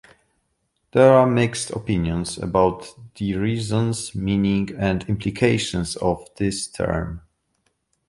There are mixed opinions about the reasons, meaning, and implications of this term.